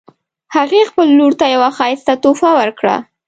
هغې خپل لور ته یوه ښایسته تحفه ورکړه